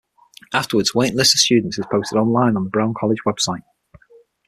Afterwards, a waiting list of students is posted online on the Brown College website.